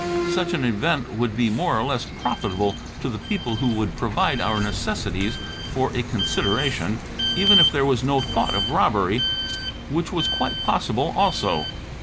Such an event would be more or less profitable to the people who would provide our necessities for a consideration, even if there was no thought of robbery, which was quite possible also.